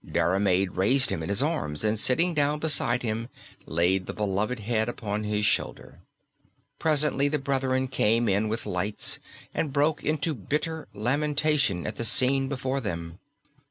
Diarmaid raised him in his arms, and sitting down beside him laid the beloved head upon his shoulder. Presently the brethren came in with lights, and broke into bitter lamentation at the scene before them.